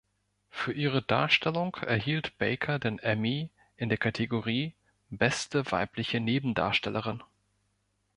Für ihre Darstellung erhielt Baker den Emmy in der Kategorie „Beste weibliche Nebendarstellerin“.